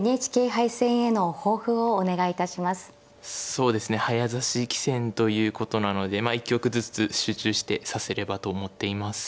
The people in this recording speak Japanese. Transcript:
そうですね早指し棋戦ということなのでまあ一局ずつ集中して指せればと思っています。